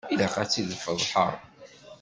Ilaq ad tt-idfeḍḥeɣ.